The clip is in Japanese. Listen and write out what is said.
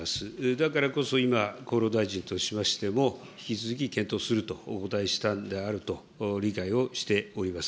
だからこそ今、厚労大臣としましても、引き続き検討するとお答えしたんであると理解をしております。